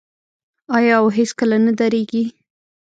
آیا او هیڅکله نه دریږي؟